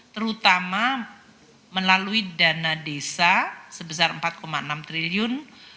terutama melalui dana desa sebesar rp empat enam triliun